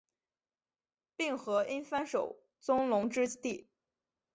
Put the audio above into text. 并河因幡守宗隆之弟。